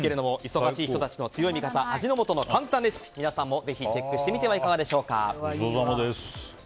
忙しい人たちの強い味方味の素の簡単レシピ皆さんもぜひチェックしてみてはいかがでしょうか。